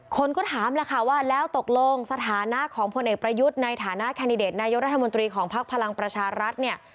คนก็ถามแล้วค่ะว่าแล้วตกลงสถานะของพลเอกประยุทธ์ในฐานะแคนดิเดตนายกรัฐมนตรีของพักพลังประชารัฐเนี่ย